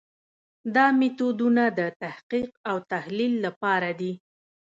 دا میتودونه د تحقیق او تحلیل لپاره دي.